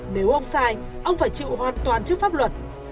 nếu ông sai ông phải chịu hoàn toàn trước pháp luật